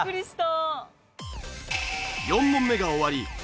４問目が終わり